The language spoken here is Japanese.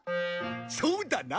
そうだな！